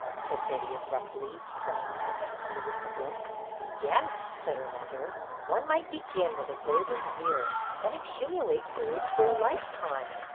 said Betty, abruptly, playing absently with the book "Yes," said her mother. "One might begin with a Golden Year, then accumulate Gold for a lifetime."